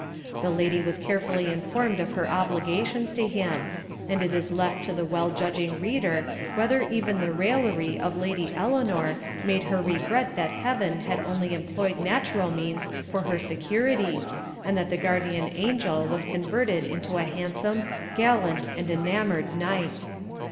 The lady was carefully informed of her obligations to him; and it is left to the well judging reader whether even the raillery of Lady Eleanor made her regret that Heaven had only employed natural means for her security, and that the guardian angel was converted into a handsome, gallant, and enamoured knight.